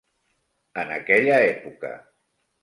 En aquella època.